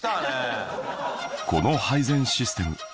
この配膳システム